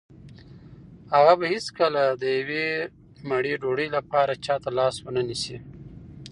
هغه به هیڅکله د یوې مړۍ ډوډۍ لپاره چا ته لاس ونه نیسي.